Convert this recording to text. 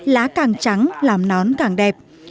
lá càng trắng làm nón càng đẹp